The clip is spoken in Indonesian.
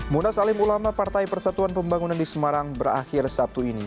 munas alim ulama partai persatuan pembangunan di semarang berakhir sabtu ini